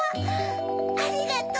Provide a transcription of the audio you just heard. ありがとう！